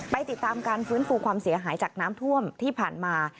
ติดตามการฟื้นฟูความเสียหายจากน้ำท่วมที่ผ่านมา